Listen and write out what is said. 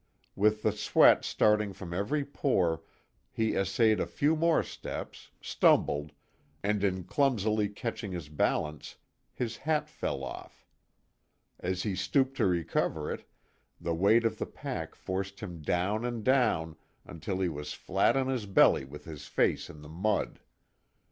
With the sweat starting from every pore he essayed a few more steps, stumbled, and in clumsily catching his balance, his hat fell off. As he stooped to recover it, the weight of the pack forced him down and down until he was flat on his belly with his face in the mud.